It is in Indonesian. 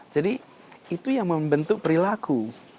jadi itu yang membentuk perilaku